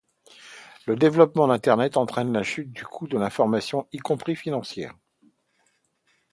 Le développement d'internet entraîne la chute du coût de l'information, y compris financière.